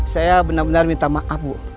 saya benar benar minta maaf bu